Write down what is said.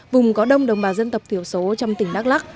vùng có đông đồng bào dân tộc thiểu số trong tỉnh đắk lắc